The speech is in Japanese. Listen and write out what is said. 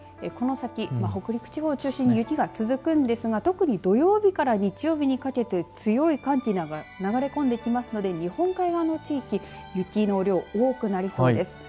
この先、北陸地方を中心に雪が続くんですが特に土曜日から日曜日にかけて強い寒気が流れ込んできますので日本海側の地域雪の量、多くなりそうです。